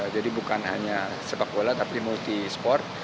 jadi bukan hanya sepak bola tapi multi sport